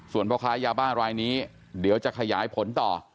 ส่วนพ่อค้ายาบ้ารายนี้เดี๋ยวจะขยายผลต่อ